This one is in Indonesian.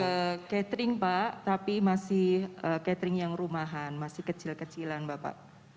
ke catering pak tapi masih catering yang rumahan masih kecil kecilan bapak